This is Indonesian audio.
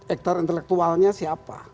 ektor intelektualnya siapa